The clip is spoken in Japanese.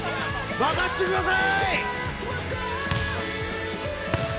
任してください！